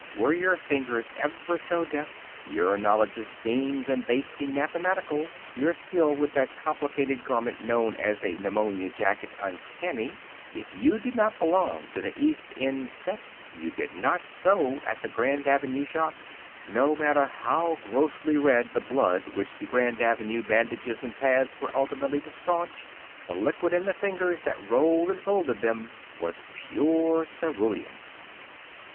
Were your fingers ever so deft, your knowledge of seams and basting mathematical, your skill with that complicated garment known as a pneumonia jacket uncanny, if you did not belong to the East End set, you did not sew at the Grand Avenue shop. No matter how grossly red the blood which the Grand Avenue bandages and pads were ultimately to stanch, the liquid in the fingers that rolled and folded them was pure cerulean.